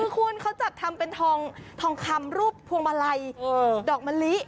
คือคุณเขาจัดทำเป็นทองคำรูปพวงมาลัยดอกมะลิ